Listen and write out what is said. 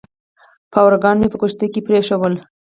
پاروګان مې په کښتۍ کې پرېښوول.